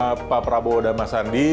milenial pak prabowo dan mas andi